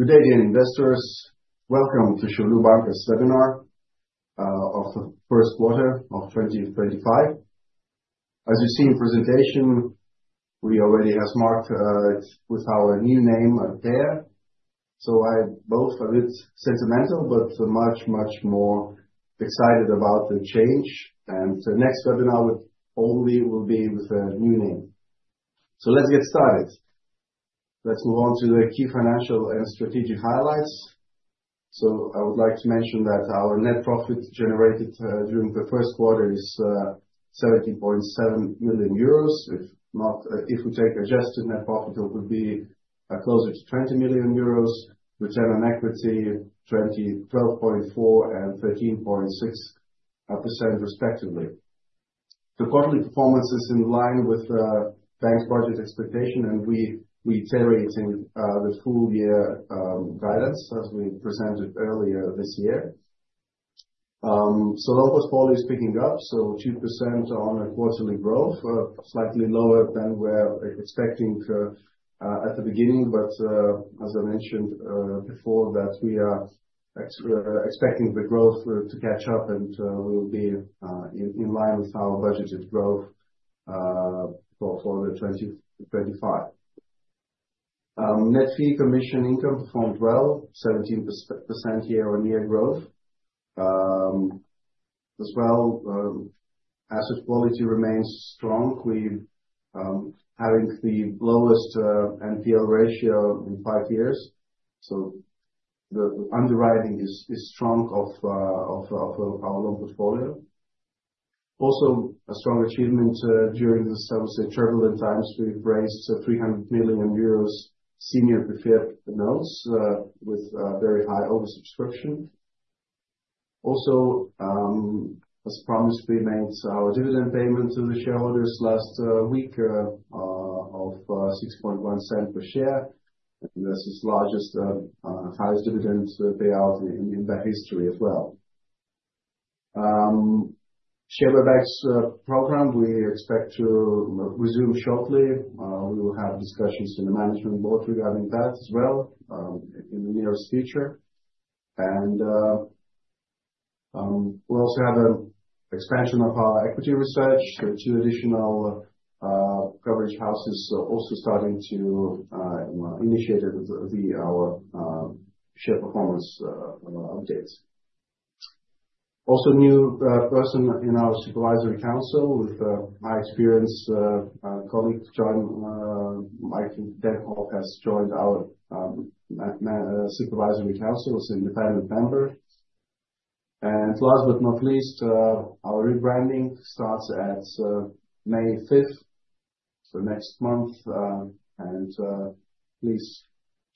Good day, dear investors. Welcome to Artea Bankas' webinar of the Q1 of 2025. As you see in the presentation, we already have marked it with our new name there. I am both a bit sentimental, but much, much more excited about the change. The next webinar will be with a new name. Let's get started. Let's move on to the key financial and strategic highlights. I would like to mention that our Net Profit generated during the Q1 is 17.7 million euros. If we take adjusted Net Profit, it would be closer to 20 million euros, Return On Equity 12.4% and 13.6% respectively. The quarterly performance is in line with the bank's budget expectation, and we are iterating the full-year guidance, as we presented earlier this year. Long-term portfolio is picking up, 2% on a quarterly growth, slightly lower than we were expecting at the beginning. As I mentioned before, we are expecting the growth to catch up, and we will be in line with our budgeted growth for 2025. Net fee commission income performed well, 17% year-on-year growth. As well, asset quality remains strong, having the lowest NPL ratio in five years. The underwriting is strong of our loan portfolio. Also, a strong achievement during the turbulent times. We have raised 300 million euros senior preferred notes with very high oversubscription. Also, as promised, we made our dividend payment to the shareholders last week of 0.061 per share. This is the largest highest dividend payout in that history as well. Artea Bankas' program we expect to resume shortly. We will have discussions in the management board regarding that as well in the nearest future. We also have an expansion of our equity research. Two additional coverage houses are also starting to initiate our share performance updates. A new person in our supervisory council, my experienced colleague John Michael Denhof, has joined our supervisory council as an independent member. Last but not least, our rebranding starts at May 5th for next month. Please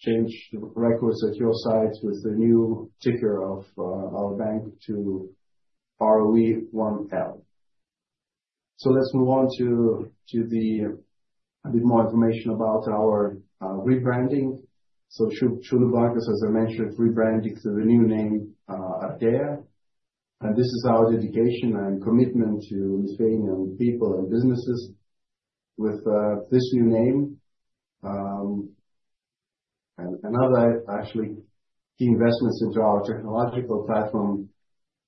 change the records at your site with the new ticker of our bank to ROE1L. Let's move on to a bit more information about our rebranding. Šiaulių Bankas, as I mentioned, rebranded to the new name Artea. This is our dedication and commitment to Lithuanian people and businesses with this new name. Another key investments into our technological platform.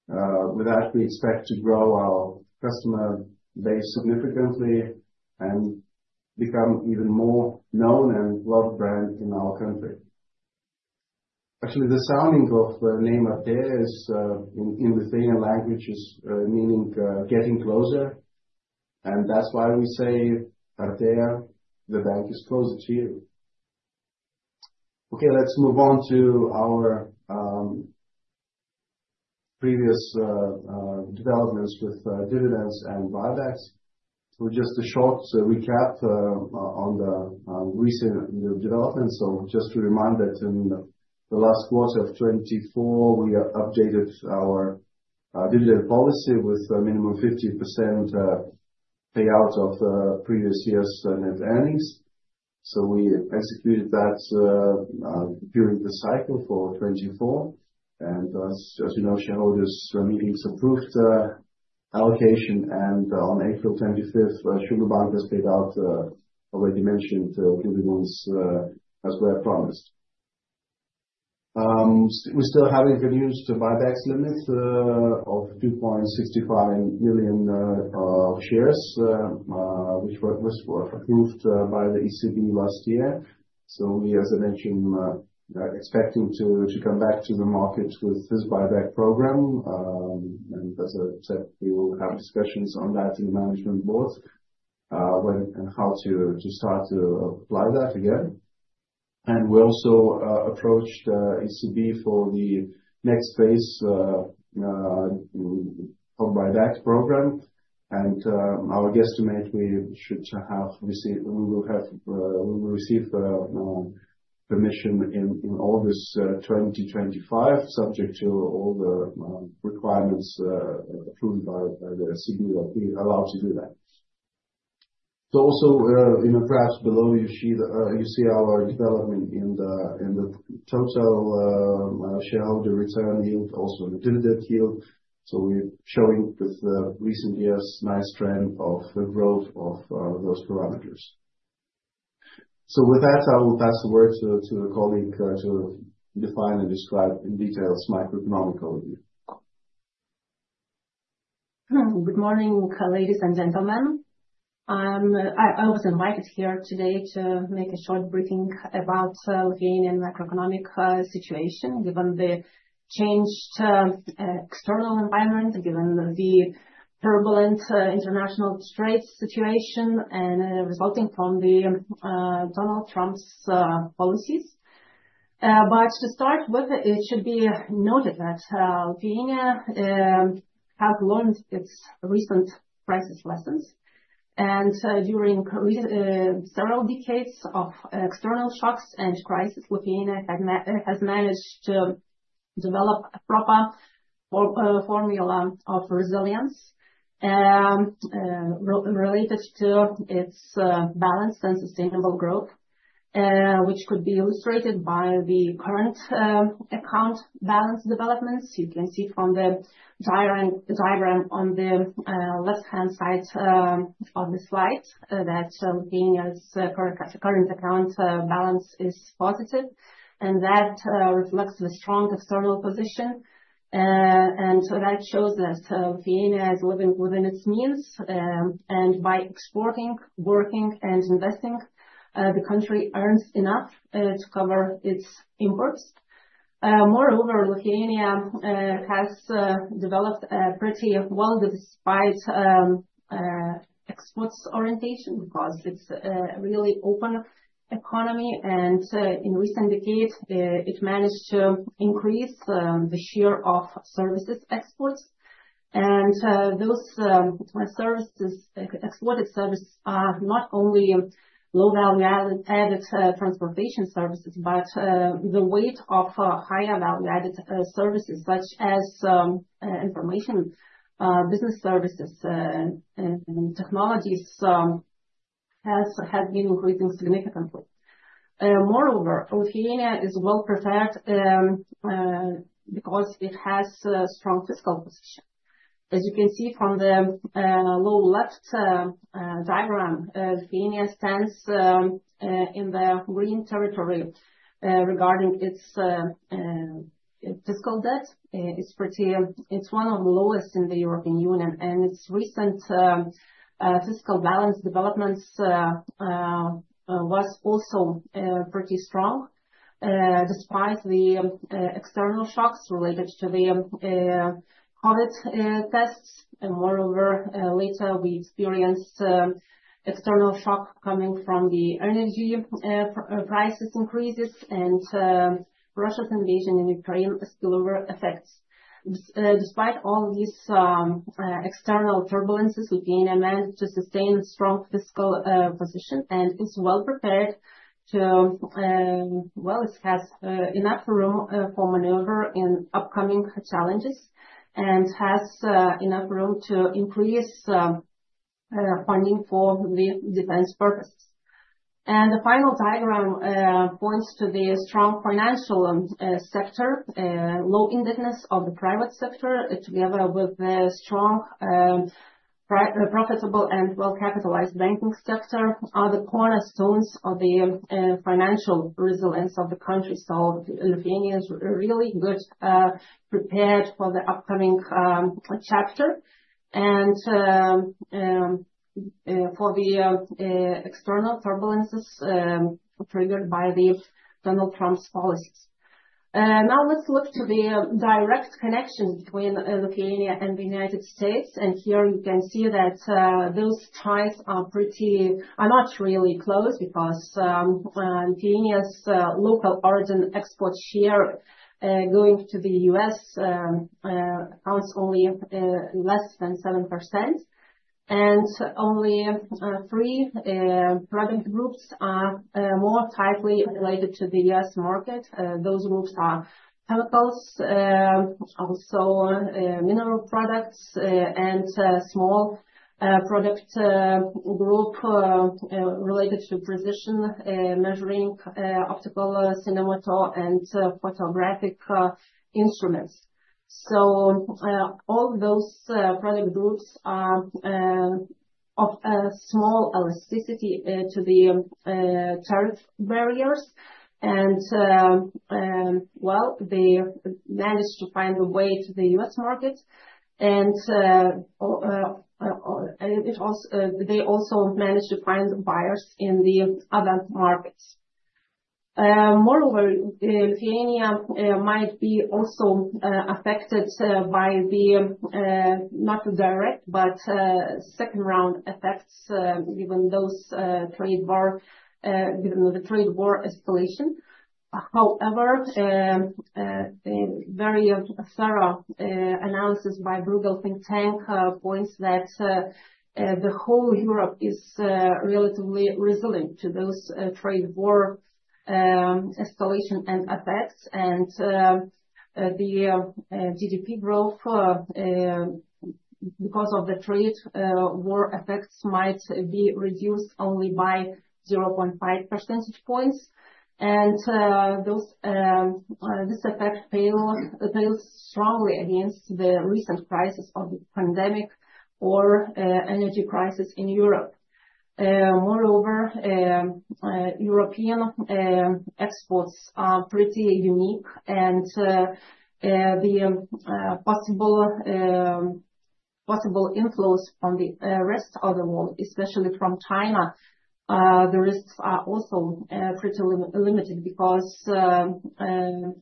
With that, we expect to grow our customer base significantly and become even more known and well-branded in our country. The sounding of the name Artea in Lithuanian language is meaning getting closer. And that's why we say, "Artea, the bank is closer to you." Okay, let's move on to our previous developments with dividends and buybacks. Just a short recap on the recent developments. Just to remind that in the last quarter of 2024, we updated our dividend policy with a minimum of 50% payout of previous year's net earnings. We executed that during the cycle for 2024. As you know, shareholders' meetings approved allocation. On April 25th, Artea paid out, already mentioned, dividends as we had promised. We're still having the new buyback limit of 2.65 million shares, which was approved by the ECB last year. We, as I mentioned, are expecting to come back to the market with this buyback program. As I said, we will have discussions on that in the management board and how to start to apply that again. We also approached the ECB for the next phase of the buyback program. Our guesstimate is we should have received, we will receive permission in August 2025, subject to all the requirements approved by the ECB that we are allowed to do that. Also, perhaps below you see our development in the total shareholder return yield, also the dividend yield. We are showing with the recent years a nice trend of growth of those parameters. With that, I will pass the word to a colleague to define and describe in detail my economical view. Good morning, ladies and gentlemen. I was invited here today to make a short briefing about the Lithuanian macroeconomic situation, given the changed external environment, given the turbulent international trade situation resulting from Donald Trump's policies. To start with, it should be noted that Lithuania has learned its recent crisis lessons. During several decades of external shocks and crises, Lithuania has managed to develop a proper formula of resilience related to its balanced and sustainable growth, which could be illustrated by the current account balance developments. You can see from the diagram on the left-hand side of the slide that Lithuania's current account balance is positive, and that reflects the strong external position. That shows that Lithuania is living within its means. By exporting, working, and investing, the country earns enough to cover its imports. Moreover, Lithuania has developed a pretty well-diversified exports orientation because it's a really open economy. In recent decades, it managed to increase the share of services exports. Those exported services are not only low-value-added transportation services, but the weight of higher-value-added services, such as information, business services, and technologies, has been increasing significantly. Moreover, Lithuania is well-prepared because it has a strong fiscal position. As you can see from the lower left diagram, Lithuania stands in the green territory regarding its fiscal debt. It is one of the lowest in the European Union, and its recent fiscal balance developments were also pretty strong, despite the external shocks related to the COVID tests. Later, we experienced external shocks coming from the energy prices increases and Russia's invasion in Ukraine spillover effects. Despite all these external turbulences, Lithuania managed to sustain a strong fiscal position and is well-prepared to, well, it has enough room for maneuver in upcoming challenges and has enough room to increase funding for defense purposes. The final diagram points to the strong financial sector, low indebtedness of the private sector, together with the strong, profitable, and well-capitalized banking sector, are the cornerstones of the financial resilience of the country. Lithuania is really good prepared for the upcoming chapter and for the external turbulences triggered by Donald Trump's policies. Now, let's look to the direct connections between Lithuania and the U.S. Here you can see that those ties are pretty, are not really close because Lithuania's local origin export share going to the U.S. accounts only less than 7%. Only three product groups are more tightly related to the U.S. market. Those groups are chemicals, also mineral products, and a small product group related to precision measuring optical cinematography and photographic instruments. All those product groups are of small elasticity to the tariff barriers. They managed to find a way to the U.S. market. They also managed to find buyers in the other markets. Moreover, Lithuania might be also affected by the not direct, but second-round effects given the trade war escalation. However, a very thorough analysis by Bruegel Think Tank points that the whole Europe is relatively resilient to those trade war escalation and effects. The GDP growth because of the trade war effects might be reduced only by 0.5 percentage points. This effect fails strongly against the recent crisis of the pandemic or energy crisis in Europe. Moreover, European exports are pretty unique. The possible inflows from the rest of the world, especially from China, the risks are also pretty limited because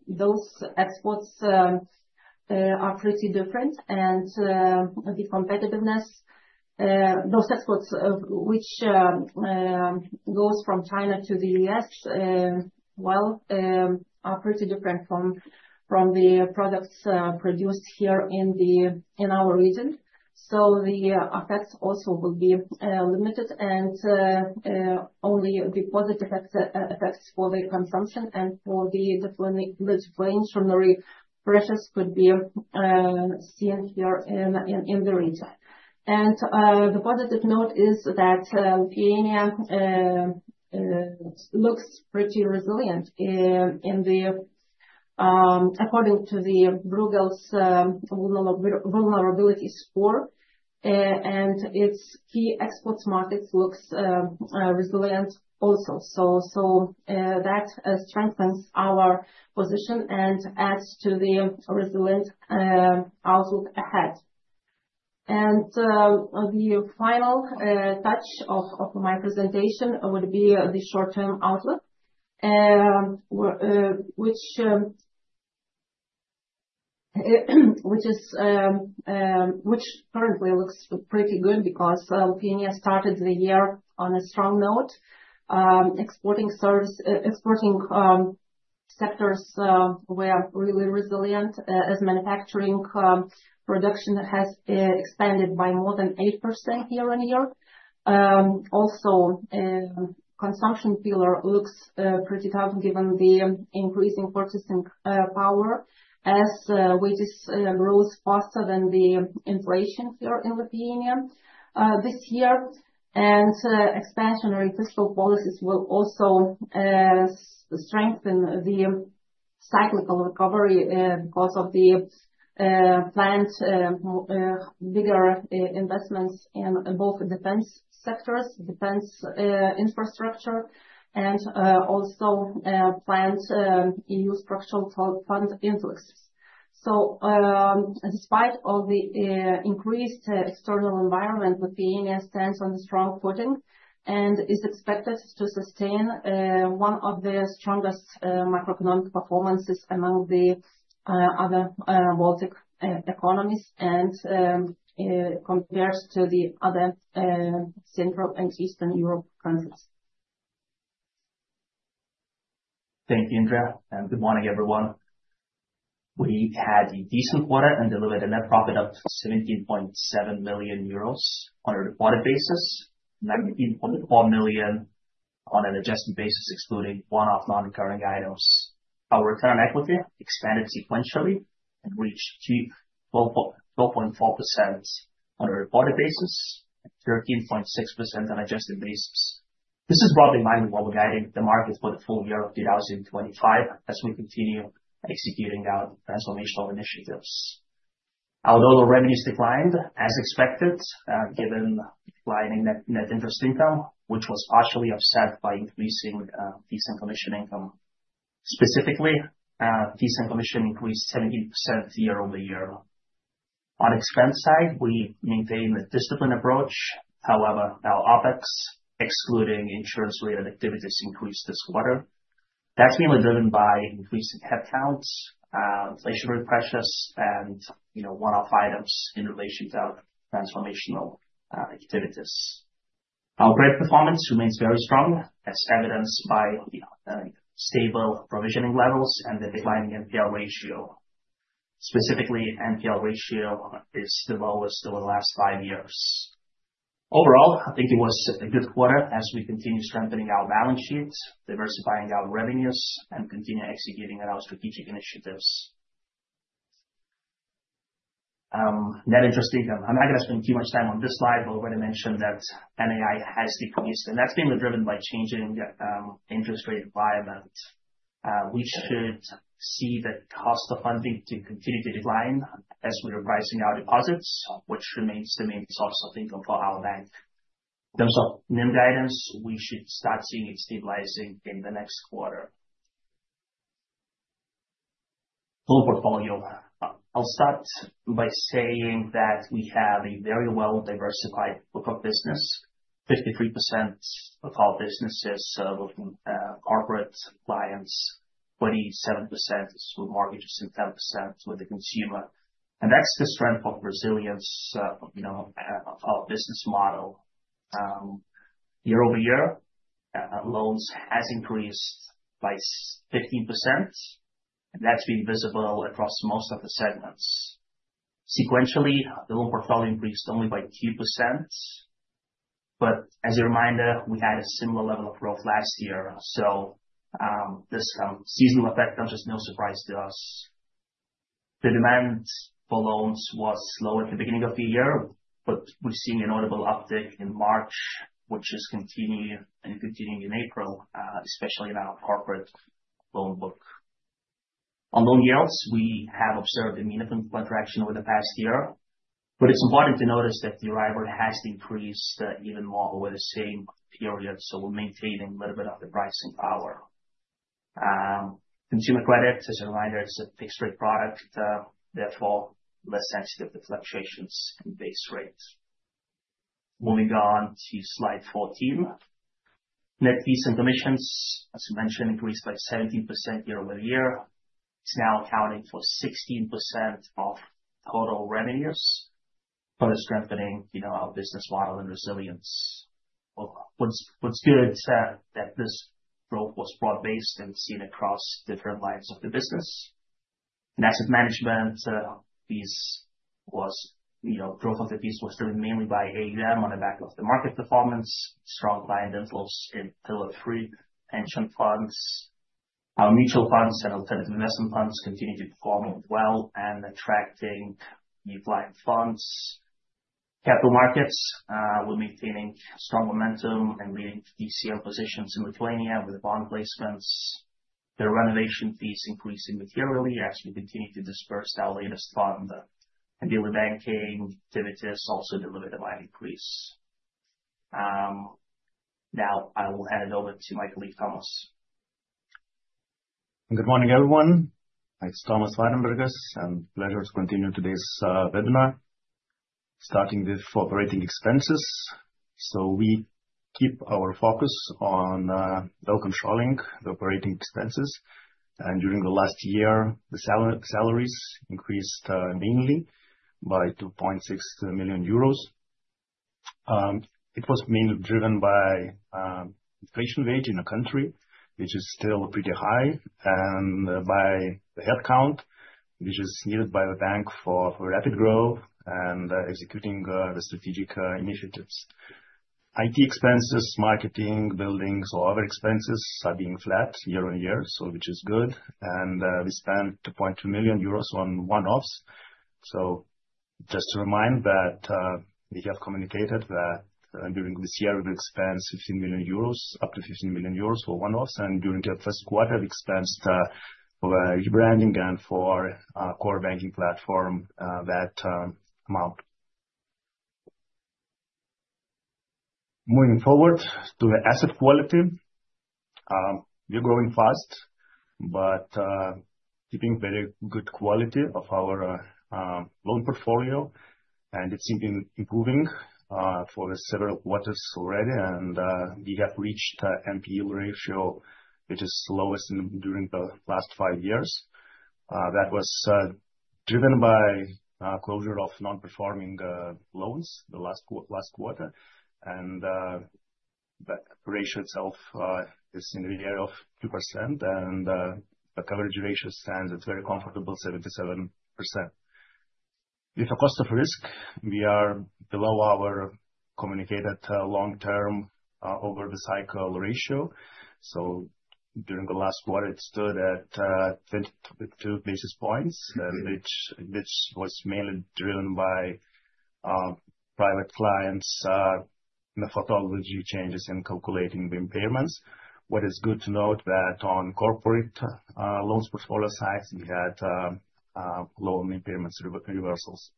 those exports are pretty different. The competitiveness, those exports which go from China to the U.S., are pretty different from the products produced here in our region. The effects also will be limited. Only the positive effects for the consumption and for the deflationary pressures could be seen here in the region. The positive note is that Lithuania looks pretty resilient according to Bruegel's vulnerability score. Its key export markets look resilient also. That strengthens our position and adds to the resilient outlook ahead. The final touch of my presentation would be the short-term outlook, which currently looks pretty good because Lithuania started the year on a strong note. Exporting sectors were really resilient as manufacturing production has expanded by more than 8% year on year. Also, consumption pillar looks pretty tough given the increasing purchasing power as wages rose faster than the inflation here in Lithuania this year. Expansionary fiscal policies will also strengthen the cyclical recovery because of the planned bigger investments in both defense sectors, defense infrastructure, and also planned EU structural fund influxes. Despite the increased external environment, Lithuania stands on a strong footing and is expected to sustain one of the strongest macroeconomic performances among the other Baltic economies and compares to the other Central and Eastern Europe countries. Thank you, Indrė. Good morning, everyone. We had a decent quarter and delivered a Net Profit of 17.7 million euros on a reported basis, 19.4 million on an adjusted basis, excluding one-off non-recurring items. Our Return On Equity expanded sequentially and reached 12.4% on a reported basis and 13.6% on an adjusted basis. This is broadly my overall guiding the market for the full year of 2025 as we continue executing our transformational initiatives. Although the revenues declined as expected, given declining Net Interest Income, which was partially offset by increasing fees and commission income. Specifically, fees and commission increased 17% year over year. On expense side, we maintained a disciplined approach. However, our OpEx, excluding insurance-related activities, increased this quarter. That is mainly driven by increasing headcounts, inflationary pressures, and one-off items in relation to our transformational activities. Our growth performance remains very strong, as evidenced by stable provisioning levels and the declining NPL ratio. Specifically, NPL ratio is the lowest over the last five years. Overall, I think it was a good quarter as we continue strengthening our balance sheet, diversifying our revenues, and continue executing our strategic initiatives. Net Interest Income. I'm not going to spend too much time on this slide, but I already mentioned that NII has decreased, and that's mainly driven by changing interest rate environment. We should see the cost of funding continue to decline as we are pricing our deposits, which remains the main source of income for our bank. In terms of NIM guidance, we should start seeing it stabilizing in the next quarter. Full portfolio. I'll start by saying that we have a very well-diversified book of business. 53% of our businesses are looking at corporate clients, 27% through mortgages, and 10% with the consumer. That is the strength of resilience of our business model. Year over year, loans have increased by 15%, and that has been visible across most of the segments. Sequentially, the loan portfolio increased only by 2%. As a reminder, we had a similar level of growth last year. This seasonal effect comes as no surprise to us. The demand for loans was low at the beginning of the year, but we are seeing a notable uptick in March, which is continuing in April, especially in our corporate loan book. On loan yields, we have observed a meaningful contraction over the past year, but it is important to notice that the Euribor has increased even more over the same period. We are maintaining a little bit of the pricing power. Consumer credit, as a reminder, is a fixed-rate product, therefore less sensitive to fluctuations in base rate. Moving on to slide 14. Net fees and commissions, as I mentioned, increased by 17% year over year. It is now accounting for 16% of total revenues, further strengthening our business model and resilience. What is good is that this growth was broad-based and seen across different lines of the business. Asset management fees, growth of the fees was driven mainly by AUM on the back of the market performance, strong client inflows in Pillar III Pension Funds. Our mutual funds and alternative investment funds continue to perform well and attracting new client funds. Capital markets were maintaining strong momentum and leading to DCM positions in Lithuania with bond placements. The renovation fees increased materially as we continue to disperse our latest fund. Daily banking activities also delivered a mild increase. Now, I will hand it over to my colleague, Tomas. Good morning, everyone. It's Tomas Varenbergas, and pleasure to continue today's webinar, starting with operating expenses. We keep our focus on controlling the operating expenses. During the last year, the salaries increased mainly by 2.6 million euros. It was mainly driven by inflation rate in a country, which is still pretty high, and by the headcount, which is needed by the bank for rapid growth and executing the strategic initiatives. IT expenses, marketing, buildings, or other expenses are being flat year on year, which is good. We spent 2.2 million euros on one-offs. Just to remind that we have communicated that during this year, we will expend up to 15 million euros for one-offs. During the Q1, we expensed for rebranding and for our core banking platform that amount. Moving forward to the asset quality, we are growing fast, but keeping very good quality of our loan portfolio. It has been improving for several quarters already. We have reached the NPL ratio, which is lowest during the last five years. That was driven by closure of non-performing loans the last quarter. The ratio itself is in the area of 2%. The coverage ratio stands at very comfortable 77%. With the Cost Of Risk, we are below our communicated long-term over-the-cycle ratio. During the last quarter, it stood at 22 basis points, which was mainly driven by private clients' methodology changes in calculating the impairments. What is good to note is that on corporate loans portfolio side, we had loan impairments reversals.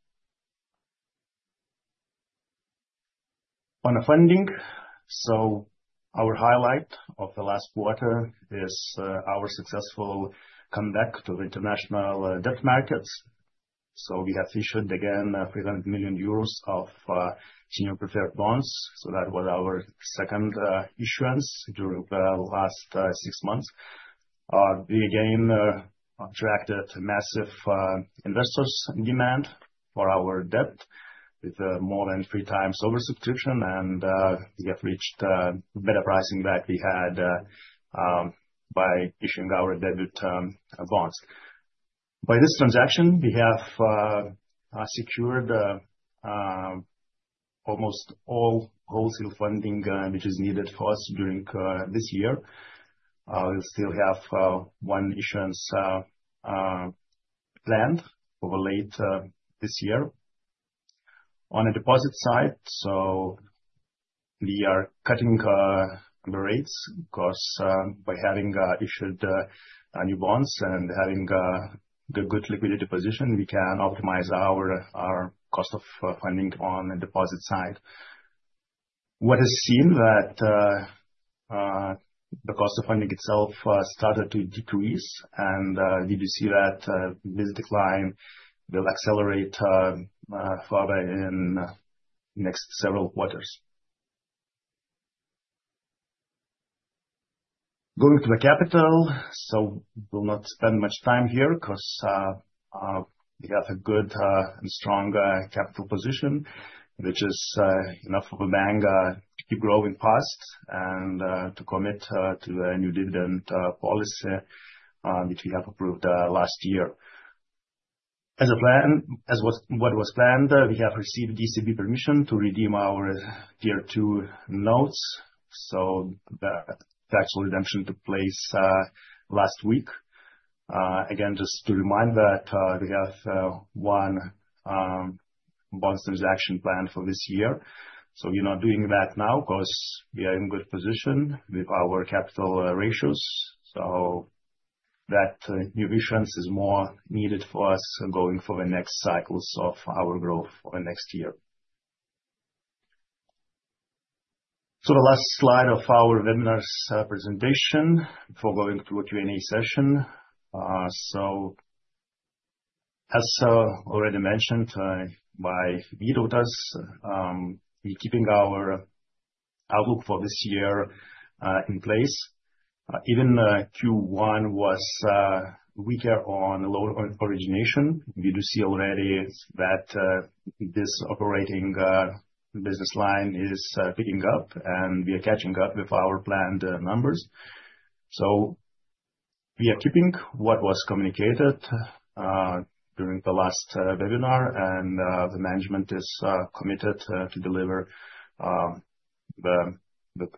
On funding, our highlight of the last quarter is our successful comeback to the international debt markets. We have issued again 300 million euros of senior preferred bonds. That was our second issuance during the last six months. We again attracted massive investors' demand for our debt with more than three times oversubscription. We have reached better pricing than we had by issuing our debut bonds. By this transaction, we have secured almost all wholesale funding which is needed for us during this year. We will still have one issuance planned over late this year. On the deposit side, we are cutting the rates because by having issued new bonds and having a good liquidity position, we can optimize our cost of funding on the deposit side. What is seen is that the cost of funding itself started to decrease. We do see that this decline will accelerate further in the next several quarters. Going to the capital, we will not spend much time here because we have a good and strong capital position, which is enough for the bank to keep growing fast and to commit to a new dividend policy which we have approved last year. As what was planned, we have received ECB permission to redeem our Tier 2 notes. The tax redemption took place last week. Again, just to remind that we have one bond transaction planned for this year. We are not doing that now because we are in good position with our capital ratios. That new issuance is more needed for us going for the next cycles of our growth for the next year. The last slide of our webinar's presentation before going to a Q&A session. As already mentioned by Vytautas, we are keeping our outlook for this year in place. Even Q1 was weaker on loan origination. We do see already that this operating business line is picking up, and we are catching up with our planned numbers. We are keeping what was communicated during the last webinar, and the management is committed to deliver the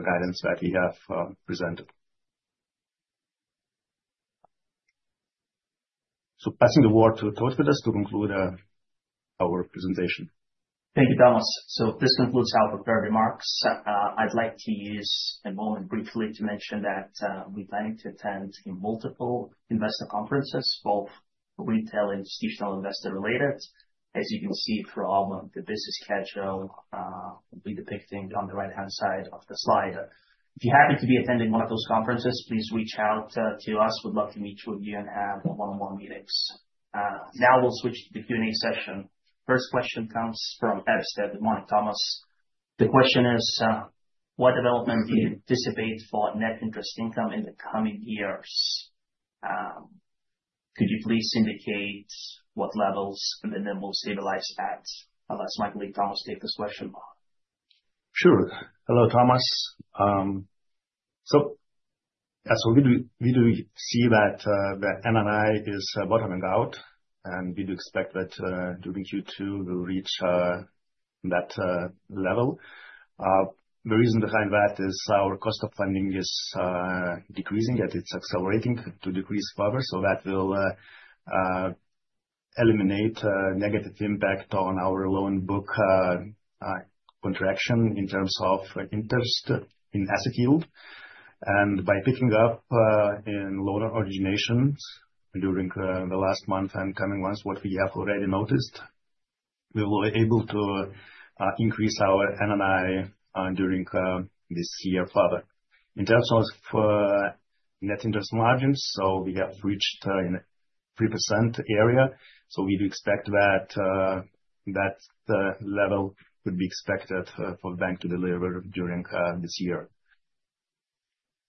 guidance that we have presented. Passing the word to Vytautas to conclude our presentation. Thank you, Tomas. This concludes our prepared remarks. I'd like to use a moment briefly to mention that we're planning to attend multiple investor conferences, both retail and institutional investor-related, as you can see from the business schedule we're depicting on the right-hand side of the slide. If you happen to be attending one of those conferences, please reach out to us. We'd love to meet with you and have one-on-one meetings. Now we'll switch to the Q&A session. First question comes from Epstead, good morning Thomas. The question is, what development do you anticipate for Net Interest Income in the coming years? Could you please indicate what levels and when we'll stabilize that? Unless my colleague Tomas takes this question on. Sure. Hello, Thomas. As we do see that the NNI is bottoming out, and we do expect that during Q2 we will reach that level. The reason behind that is our cost of funding is decreasing and it is accelerating to decrease further. That will eliminate negative impact on our loan book contraction in terms of interest in asset yield. By picking up in loan originations during the last month and coming months, what we have already noticed, we will be able to increase our NNI during this year further. In terms of net interest margins, we have reached in a 3% area. We do expect that that level could be expected for the bank to deliver during this year.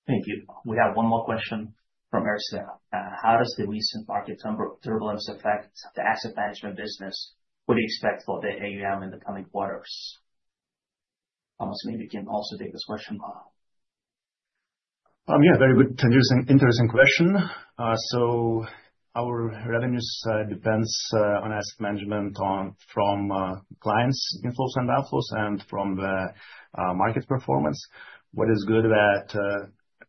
Thank you. We have one more question from Ersin. How does the recent market turbulence affect the asset management business? What do you expect for the AUM in the coming quarters? Tomas, maybe you can also take this question. Yeah, very good, interesting question. Our revenues depend on asset management from clients' inflows and outflows and from the market performance. What is good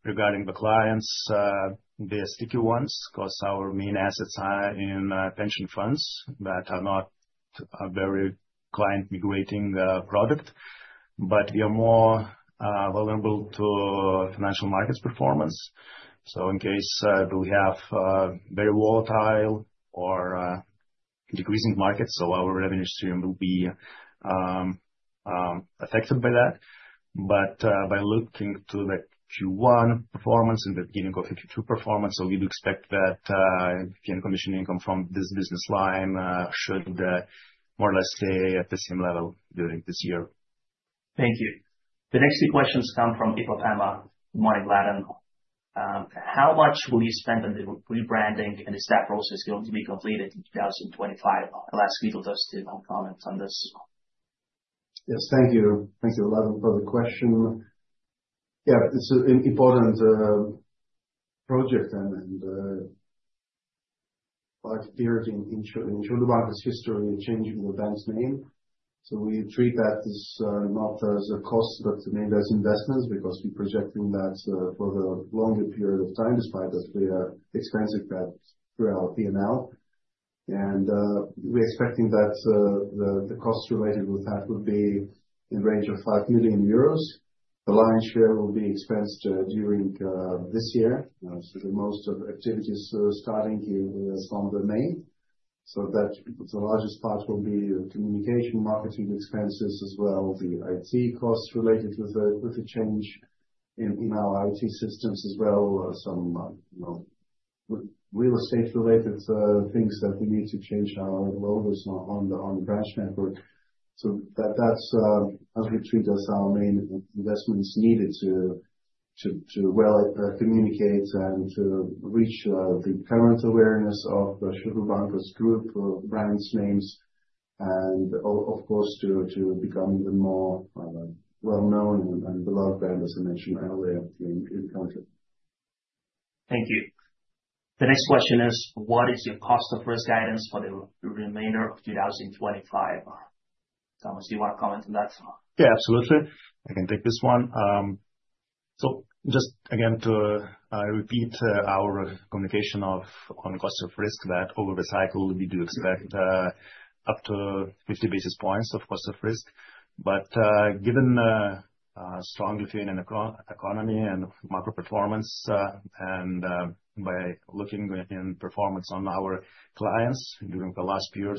regarding the clients, the sticky ones, because our main assets are in pension funds that are not a very client-migrating product, we are more vulnerable to financial markets performance. In case we have very volatile or decreasing markets, our revenue stream will be affected by that. By looking to the Q1 performance and the beginning of the Q2 performance, we do expect that PN commission income from this business line should more or less stay at the same level during this year. Thank you. The next few questions come from people from the morning Latin. How much will you spend on the rebranding, and is that process going to be completed in 2025? I'll ask Vytautas to comment on this. Yes, thank you. Thank you, Alan, for the question. Yeah, it's an important project and a big period in Artea Bankas' history changing the bank's name. We treat that as not as a cost, but maybe as investments because we're projecting that for the longer period of time, despite that we are expensing that throughout P&L. We're expecting that the costs related with that will be in the range of 5 million euros. The lion's share will be expensed during this year. The most of activities starting here is from the main. The largest part will be communication, marketing expenses as well, the IT costs related with the change in our IT systems as well, some real estate-related things that we need to change our logos on the branch network. That is how we treat as our main investments needed to well communicate and to reach the current awareness of the Insurance Bankers' group, brand names, and of course, to become even more well-known and beloved brand, as I mentioned earlier, in the country. Thank you. The next question is, what is your Cost Of Risk guidance for the remainder of 2025? Tomas, do you want to comment on that? Yeah, absolutely. I can take this one. Just again to repeat our communication on Cost Of Risk, that over the cycle, we do expect up to 50 basis points of Cost Of Risk. Given strongly in an economy and macro performance, and by looking in performance on our clients during the last year,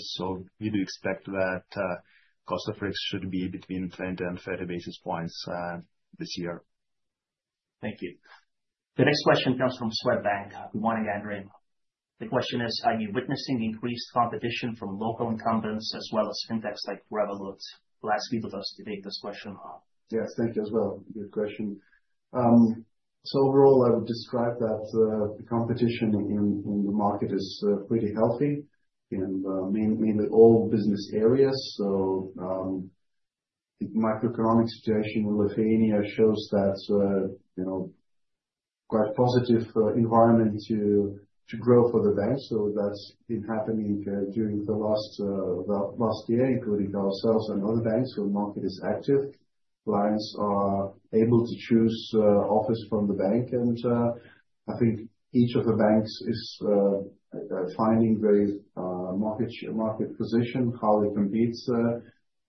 we do expect that Cost Of Risk should be between 20 and 30 basis points this year. Thank you. The next question comes from Swedbank. Good morning, Andrew. The question is, are you witnessing increased competition from local incumbents as well as fintechs like Revolut? I'll ask Vytautas to take this question. Yes, thank you as well. Good question. Overall, I would describe that the competition in the market is pretty healthy in mainly all business areas. The macroeconomic situation in Lithuania shows quite a positive environment to grow for the bank. That has been happening during the last year, including ourselves and other banks. The market is active. Clients are able to choose offers from the bank. I think each of the banks is finding very market position, how it competes,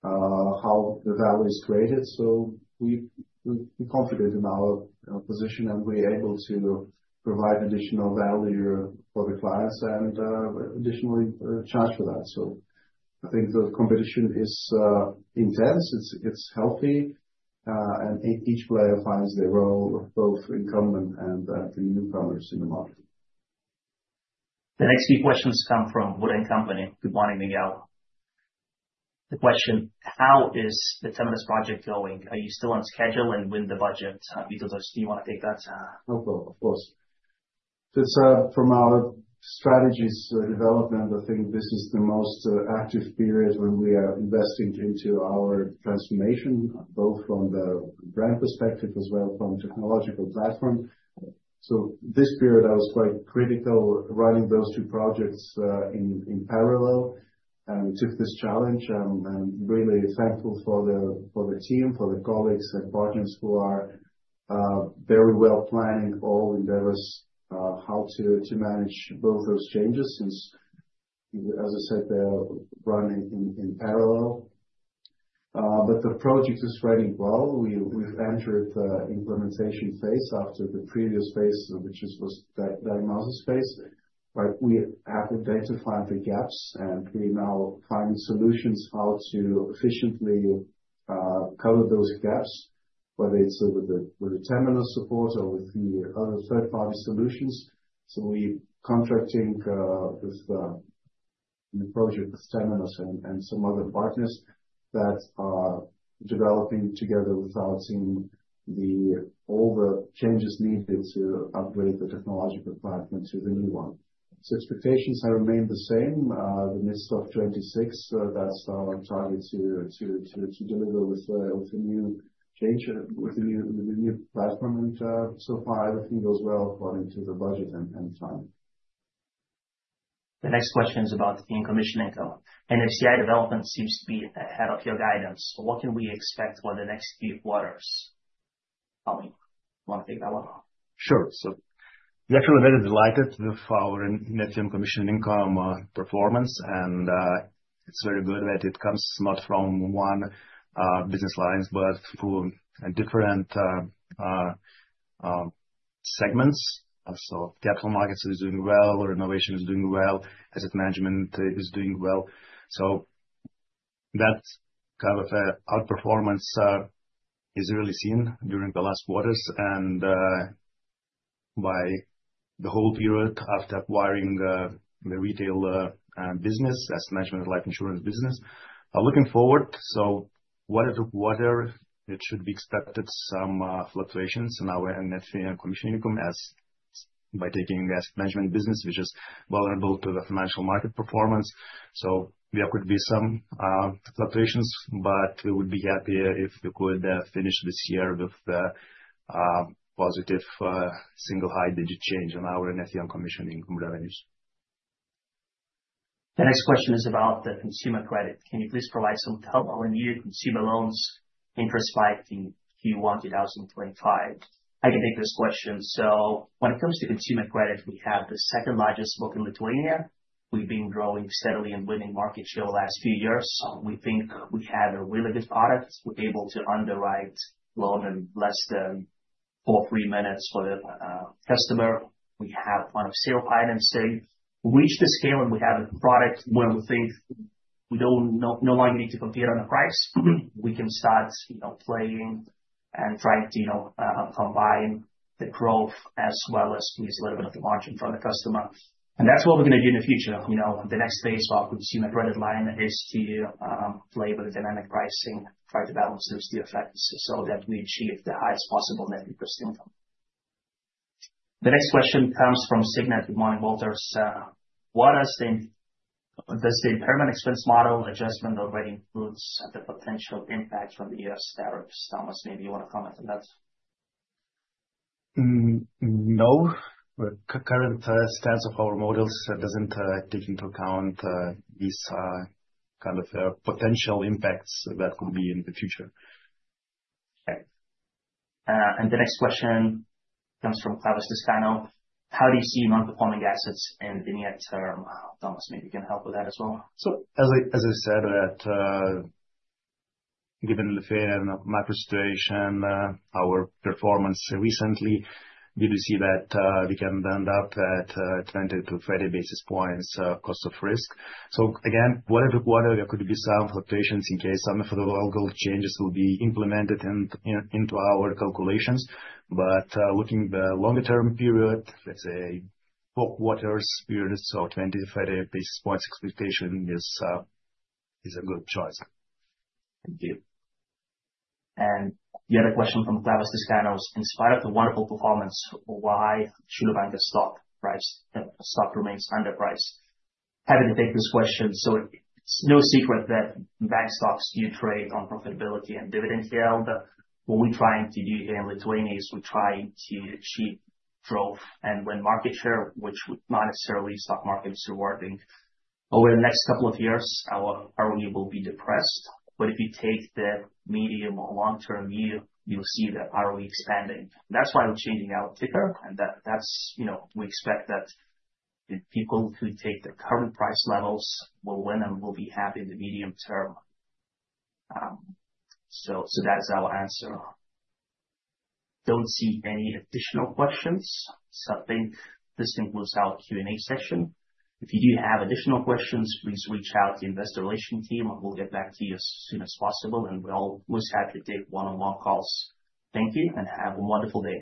how the value is created. We are confident in our position, and we are able to provide additional value for the clients and additionally charge for that. I think the competition is intense. It is healthy. Each player finds their role of both incumbent and the newcomers in the market. The next few questions come from Wood & Company. Good morning, Miguel. The question, how is the Temenos project going? Are you still on schedule and within the budget? Vytautas, do you want to take that? No problem, of course. It is from our strategies development. I think this is the most active period when we are investing into our transformation, both from the brand perspective as well as from the technological platform. This period, I was quite critical running those two projects in parallel. We took this challenge. I am really thankful for the team, for the colleagues and partners who are very well planning all endeavors, how to manage both those changes since, as I said, they are running in parallel. The project is running well. We have entered the implementation phase after the previous phase, which was the diagnosis phase. We have identified the gaps, and we are now finding solutions how to efficiently cover those gaps, whether it is with the Temenos support or with the other third-party solutions. We're contracting with the project of Temenos and some other partners that are developing together without seeing all the changes needed to upgrade the technological platform to the new one. Expectations have remained the same. The midst of 2026, that's our target to deliver with a new change, with a new platform. So far, everything well according to the budget and time. The next question is about the PN commission income. NFCI development seems to be ahead of your guidance. What can we expect for the next few quarters? Tom, you want to take that one? Sure. We are very delighted with our net commission income performance. It is very good that it comes not from one business line, but from different segments. Capital markets are doing well. Renovation is doing well. Asset management is doing well. That kind of outperformance is really seen during the last quarters. By the whole period after acquiring the retail business, asset management, life insurance business, looking forward one or two quarters, it should be expected some fluctuations in our net commission income by taking asset management business, which is vulnerable to the financial market performance. There could be some fluctuations, but we would be happy if we could finish this year with a positive single high-digit change in our net commission income revenues. The next question is about the consumer credit. Can you please provide some help on your consumer loans interest spike in Q1 2025? I can take this question. When it comes to consumer credit, we have the second largest book in Lithuania. We've been growing steadily and winning market share over the last few years. We think we have a really good product. We're able to underwrite loan in less than four, three minutes for the customer. We have a ton of sales financing. We reached the scale, and we have a product where we think we no longer need to compete on the price. We can start playing and trying to combine the growth as well as use a little bit of the margin from the customer. That's what we're going to do in the future. The next phase of consumer credit line is to play with the dynamic pricing, try to balance those two effects so that we achieve the highest possible Net Interest Income. The next question comes from Signet. Good morning, Valters. What does the impairment expense model adjustment already include and the potential impact from the U.S. tariffs? Tomas, maybe you want to comment on that? No. The current stance of our models doesn't take into account these kind of potential impacts that could be in the future. Okay. The next question comes from Thomas Destano. How do you see non-performing assets in the near term? Tomas, maybe you can help with that as well. As I said, given the fair macro situation, our performance recently, we do see that we can end up at 20-30 basis points Cost Of Risk. Again, what could be some fluctuations in case some of the logical changes will be implemented into our calculations. Looking at the longer-term period, let's say four quarters period, 20-30 basis points expectation is a good choice. Thank you. The other question from Thomas Destano is, in spite of the wonderful performance, why should a bank stock remain underpriced. Happy to take this question. It is no secret that bank stocks do trade on profitability and dividend yield. What we are trying to do here in Lithuania is we are trying to achieve growth and win market share, which would not necessarily be what the stock market is rewarding. Over the next couple of years, our ROE will be depressed. If you take the medium or long-term view, you will see the ROE expanding. That is why we are changing our ticker. We expect that people who take the current price levels will win and will be happy in the medium term. That is our answer. I do not see any additional questions. I think this concludes our Q&A session. If you do have additional questions, please reach out to the investor relation team, and we will get back to you as soon as possible. We are always happy to take one-on-one calls. Thank you, and have a wonderful day.